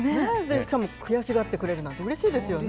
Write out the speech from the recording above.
しかも、悔しがってくれるなんて、うれしいですよね。